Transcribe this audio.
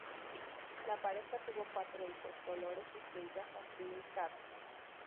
La pareja tuvo cuatro hijos: Dolores, Estella, Joaquín y Carlos.